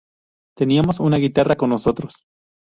Teníamos una guitarra con nosotros.